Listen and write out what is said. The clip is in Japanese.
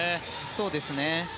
そうですね。